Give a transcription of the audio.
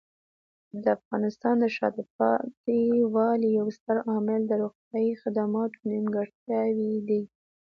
د افغانستان د شاته پاتې والي یو ستر عامل د روغتیايي خدماتو نیمګړتیاوې دي.